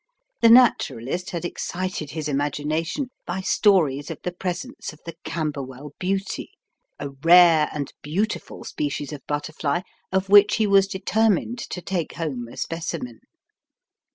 The Naturalist had excited his imagination by stories of the presence of the "Camberwell Beauty," a rare and beautiful species of butterfly, of which he was determined to take home a specimen.